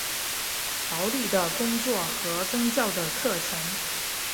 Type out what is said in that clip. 劳力的工作和宗教的课程。